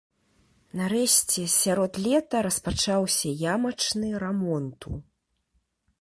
Нарэшце сярод лета распачаўся ямачны рамонту.